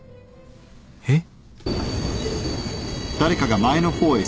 えっ？